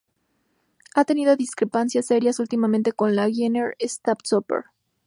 Ha tenido discrepancias serias últimamente con la Wiener Staatsoper.